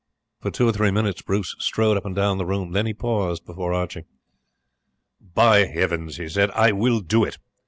For two or three minutes Bruce strode up and down the room; then he paused before Archie. "By heavens," he said, "I will do it!